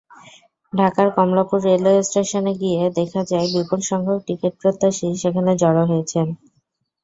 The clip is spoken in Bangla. ঢাকার কমলাপুর রেলওয়ে স্টেশনে গিয়ে দেখা যায়, বিপুলসংখ্যক টিকিটপ্রত্যাশী সেখানে জড়ো হয়েছেন।